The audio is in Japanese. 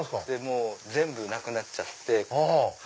全部なくなっちゃって。